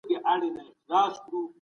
باسواده ښځه د ناز په ارزښت پوهيږي